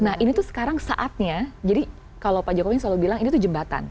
nah ini tuh sekarang saatnya jadi kalau pak jokowi selalu bilang ini tuh jembatan